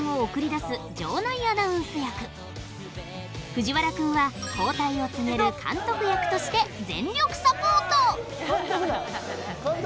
藤原君は交代を告げる監督役として全力サポート！